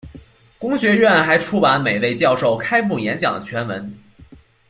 公学院还出版每位教授开幕演讲的全文。